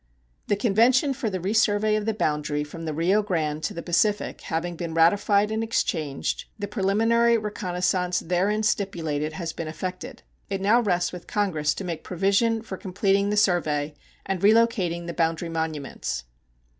The convention for the resurvey of the boundary from the Rio Grande to the Pacific having been ratified and exchanged, the preliminary reconnoissance therein stipulated has been effected. It now rests with Congress to make provision for completing the survey and relocating the boundary monuments.